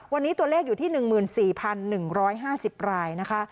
วันนี้ตัวเลขอยู่ที่๑๔๑๕๐รายนะคะ